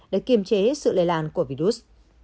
để kiềm chế sự lây lan của virus